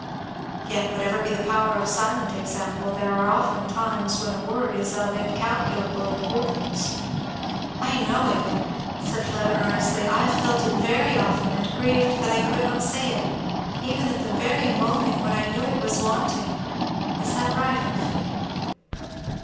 "Yet whatever be the power of silent example there are often times when a word is of incalculable importance." "I know it," said Fleda earnestly, "I have felt it very often, and grieved that I could not say it, even at the very moment when I knew it was wanting." "Is that right, Elfie?"